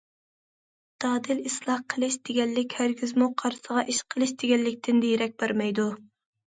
دادىل ئىسلاھ قىلىش دېگەنلىك ھەرگىزمۇ قارىسىغا ئىش قىلىش دېگەنلىكتىن دېرەك بەرمەيدۇ.